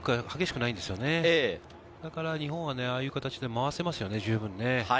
なので、日本はああいう形で回せますね、十分。